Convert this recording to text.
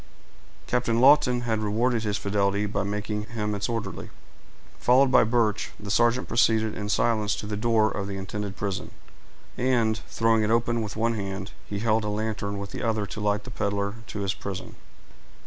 Captain Lawton had rewarded his fidelity by making him its orderly. Followed by Birch, the sergeant proceeded in silence to the door of the intended prison, and, throwing it open with one hand, he held a lantern with the other to light the peddler to his prison.